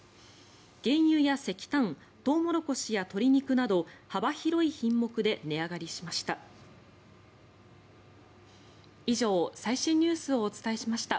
原油や石炭トウモロコシや鶏肉など幅広い品目で値上がりしました。